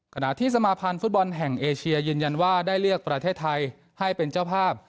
ขณะที่สมาพันธ์ฟุตบอลแห่งเอเชียยืนยันว่าได้เลือกประเทศไทยให้เป็นเจ้าภาพ